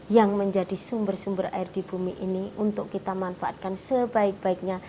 yang menjadi sumber sumber air di bumi ini untuk kita manfaatkan sebaik baiknya